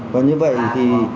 và như vậy thì